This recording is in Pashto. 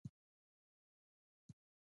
بهادر خان او زر سپاره له کلا ور ووتل.